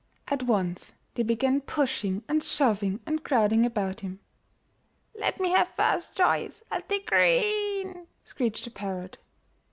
At once they began pushing and shoving and crowd ing about him. ''Let me have first choice! Fll take green," screeched the parrot.